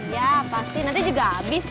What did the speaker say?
ya pasti nanti juga habis